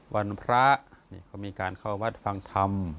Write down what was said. วันพระนี่ก็มีการเข้าวัดฟังธรรม